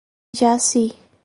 Jaci